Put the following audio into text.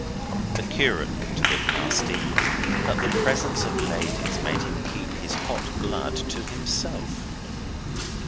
The curate looked a bit nasty, but the presence of ladies made him keep his hot blood to himself.